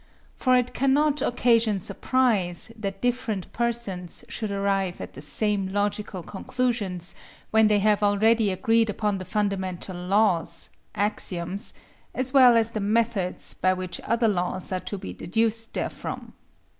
For it cannot occasion surprise that different persons should arrive at the same logical conclusions when they have already agreed upon the fundamental laws (axioms), as well as the methods by which other laws are to be deduced therefrom.